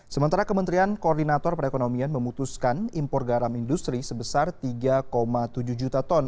sementara kementerian koordinator perekonomian memutuskan impor garam industri sebesar tiga tujuh juta ton